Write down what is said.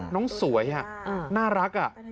น้องสวยน่ารัก